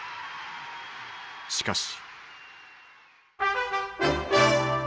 しかし。